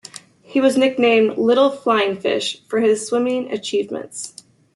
He was nicknamed "Little Flying Fish" for his swimming achievements.